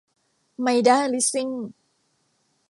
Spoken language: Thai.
ไมด้า ลิสซิ่ง